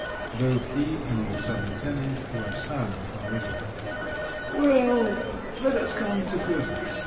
Both he and the sub lieutenant were silent for a little. "Well? Let us come to business!"